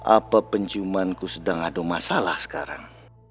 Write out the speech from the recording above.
apa penciumanku sedang ada masalah sekarang